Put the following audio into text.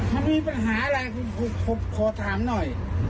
มีปัญหาอะไรขอถามหน่อย